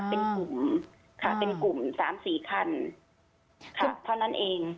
เป็นกลุ่มค่ะเป็นกลุ่มสามสี่คันค่ะเท่านั้นเอง